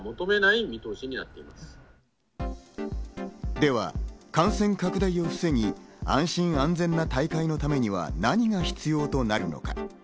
では、感染拡大を防ぎ、安心安全な大会のためには何が必要となるのか。